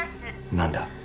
何だ？